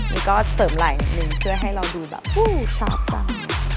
นี่ก็เสริมไหล่หนึ่งเพื่อให้เราดูแบบฮู้วชอบจัง